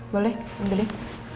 boleh ambil nih